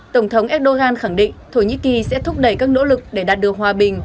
tổng thống erdogan khẳng định thổ nhĩ kỳ sẽ thúc đẩy các nỗ lực để đạt được hòa bình